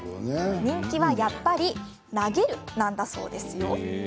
人気は、やっぱり投げるなんだそうです。